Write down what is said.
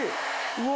うわ！